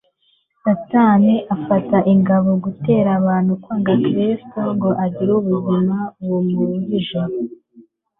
Satani afata ingamba zo gutera abantu kwanga Kristo ngo agire ubuzima bumuruihije